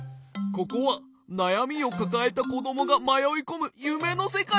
ここはなやみをかかえたこどもがまよいこむゆめのせかいさ！